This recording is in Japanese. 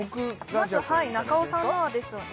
まず中尾さんのはですね